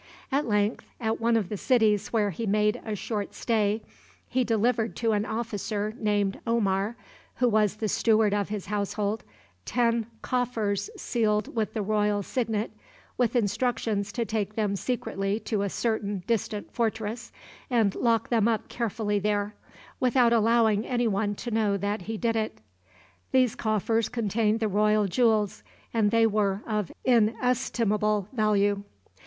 At length, at one of the cities where he made a short stay, he delivered to an officer named Omar, who was the steward of his household, ten coffers sealed with the royal signet, with instructions to take them secretly to a certain distant fortress and lock them up carefully there, without allowing any one to know that he did it. These coffers contained the royal jewels, and they were of inestimable value.